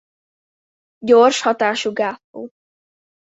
Gyors hatású gátló.